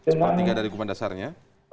sepertiga dari hukuman dasarnya